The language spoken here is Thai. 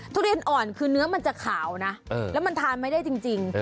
ทุเรียนอ่อนคือเนื้อมันจะขาวนะแล้วมันทานไม่ได้จริง